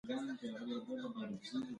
هلک مهربان دی.